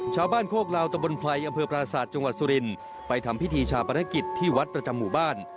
โคกลาวตะบนไพรอำเภอปราศาสตร์จังหวัดสุรินไปทำพิธีชาปนกิจที่วัดประจำหมู่บ้าน